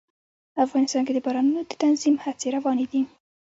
افغانستان کې د بارانونو د تنظیم هڅې روانې دي.